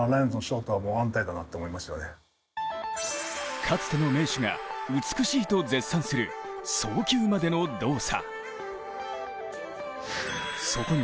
かつての名手が美しいと絶賛する送球までの動作。